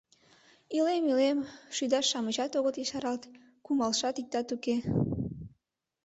Илем-илем — шӱдаш-шамычат огыт ешаралт, кумалшат иктат уке».